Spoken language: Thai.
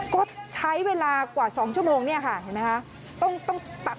ก็ใช้เวลากว่า๒ชั่วโมงเนี่ยค่ะเห็นไหมคะ